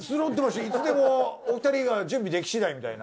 いつでもお二人が準備でき次第みたいな。